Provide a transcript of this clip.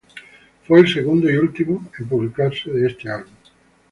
Fue el segundo y último en publicarse de este álbum.